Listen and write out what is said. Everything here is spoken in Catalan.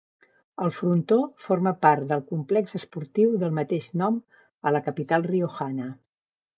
El frontó forma part del complex esportiu del mateix nom a la capital riojana.